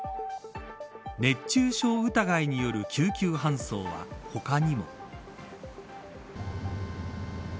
熱中症疑いによる救急搬送は他にも。